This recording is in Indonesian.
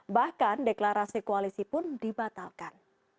bahkan deklarasi koalisi pun dibatalkan